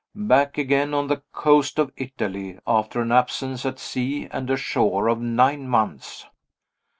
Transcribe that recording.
Back again on the coast of Italy after an absence, at sea and ashore, of nine months!